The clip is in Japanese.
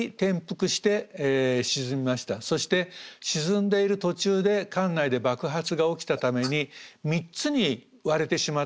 そして沈んでいる途中で艦内で爆発が起きたために３つに割れてしまったんですね。